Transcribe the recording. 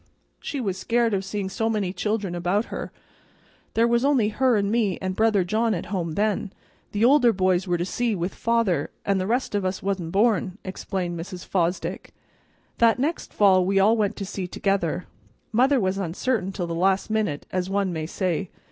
"She was scared of seeing so many children about her; there was only her and me and brother John at home then; the older boys were to sea with father, an' the rest of us wa'n't born," explained Mrs. Fosdick. "That next fall we all went to sea together. Mother was uncertain till the last minute, as one may say.